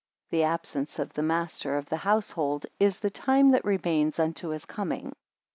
The absence of the master of the household, is the time that remains unto his coming.